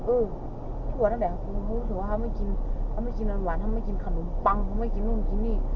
เออปล่อยตั้งแต่กระโปรภูมิเขาจะไม่กินคำนวงปังไม่กินนุ่มทุบนี่